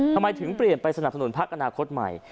ทำไมถึงเปลี่ยนไปสนับสนุนพักอนาคตใหม่